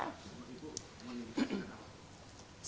ibu mau nuliskan apa